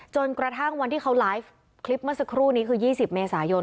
จนกระทั่งวันที่เขาไลฟ์คลิปเมื่อสักครู่นี้คือ๒๐เมษายน